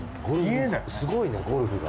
すごいねゴルフが。